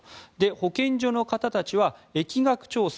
保健所の方たちは疫学調査